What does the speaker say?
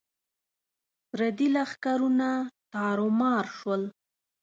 پردي لښکرونه تارو مار شول.